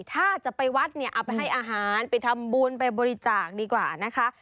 ถ้าจะไปวัดเนี่ยเอาไปให้อาหารไปทำบุญไปบริจาคดีกว่านะคะ